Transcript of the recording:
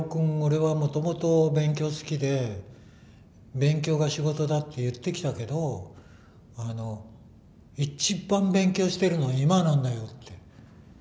俺はもともと勉強好きで勉強が仕事だって言ってきたけど一番勉強してるのは今なんだよ」って言ってたから。